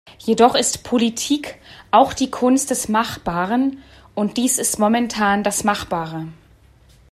Jedoch ist Politik auch die Kunst des Machbaren, und dies ist momentan das Machbare.